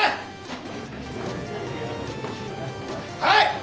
はい！